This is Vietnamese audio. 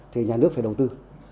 thì nhà nước phải đầu tư